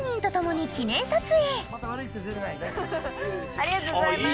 ありがとうございます！